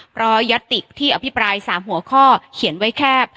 เพราะยัตติที่อภิปราย๓หัวข้อเขียนไว้แคบ